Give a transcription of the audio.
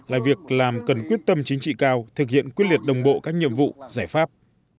là việc làm cần quyết tâm chính trị cao thực hiện quyết liệt đồng bộ các nhiệm vụ giải pháp